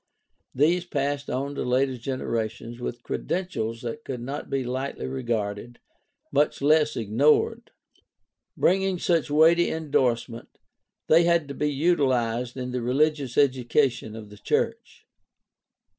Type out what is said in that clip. These passed on to later generations with credentials that could not be lightly regarded, much less ignored. Bringing such weighty indorsement, they had to be utilized in the religious education of the church.